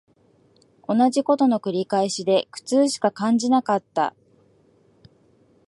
同じ事の繰り返しで苦痛しか感じなかった